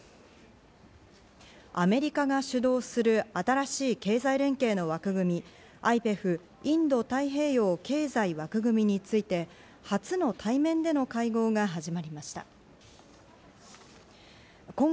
アメリカが主導する新しい経済連携の枠組み、ＩＰＥＦ＝インド太平洋経済枠組みについて初の対面での会合が始まりました。